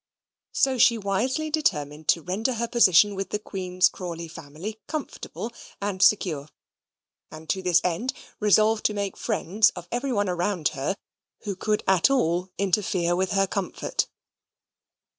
So she wisely determined to render her position with the Queen's Crawley family comfortable and secure, and to this end resolved to make friends of every one around her who could at all interfere with her comfort.